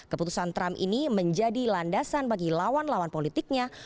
keputusan trump ini menjadi landasan bagi lawan lawan politiknya